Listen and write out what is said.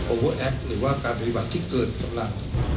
โอเวอร์แอคหรือว่าการปฏิบัติที่เกินสำหรับ